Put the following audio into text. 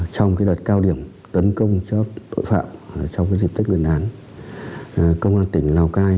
trong đợt cao điểm tấn công cho tội phạm trong dịch tích nguyên án công an tỉnh lào cai